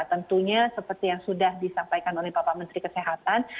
tentunya seperti yang sudah disampaikan oleh bapak menteri kesehatan